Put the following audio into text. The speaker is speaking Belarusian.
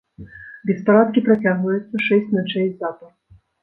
Беспарадкі працягваюцца шэсць начэй запар.